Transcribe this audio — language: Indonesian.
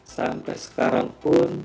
sampai sekarang pun